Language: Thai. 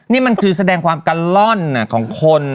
นี่มันคือแสดงความกัลล่อนของคน